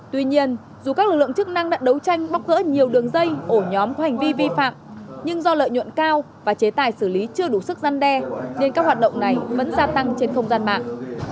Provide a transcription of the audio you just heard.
tuy nhiên dù các lực lượng chức năng đã đấu tranh bóc gỡ nhiều đường dây ổ nhóm có hành vi vi phạm nhưng do lợi nhuận cao và chế tài xử lý chưa đủ sức gian đe nên các hoạt động này vẫn gia tăng trên không gian mạng